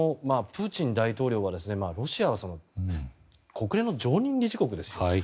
プーチン大統領がロシアは国連の常任理事国ですよ。